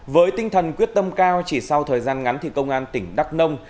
với tinh thần quyết tâm cao chỉ sau thời gian ngắn thì công an tỉnh đắk nông